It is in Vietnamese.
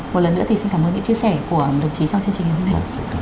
một lần nữa thì xin cảm ơn những chia sẻ của đồng chí trong chương trình ngày hôm nay